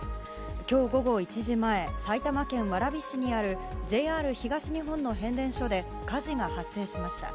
１０日午後１時前埼玉県蕨市にあるＪＲ東日本の変電所で火事が発生しました。